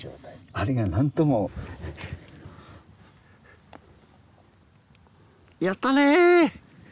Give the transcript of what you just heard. あれがなんともやったね！